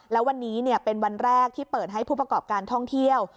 แล้ววันนี้เป็นวันแรกที่เปิดให้ผู้ประกอบการท่องเที่ยว